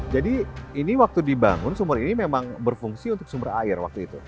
jadi ini waktu dibangun sumur ini memang berfungsi untuk sumber air waktu itu